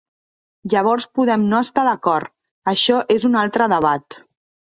Llavors podem no estar d'acord, això és un altre debat.